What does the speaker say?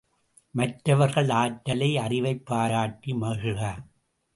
மற்றவர்கள் ஆற்றலை, அறிவைப் பாராட்டி மகிழ்க!